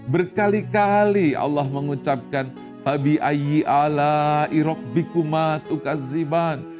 berkali kali allah mengucapkan